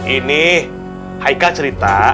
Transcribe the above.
ini hai kak cerita